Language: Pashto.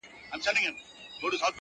د کرونا ویري نړۍ اخیستې-